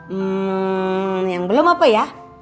hmm yang belum apa ya